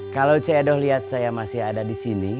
kalo cedoh liat saya masih ada disini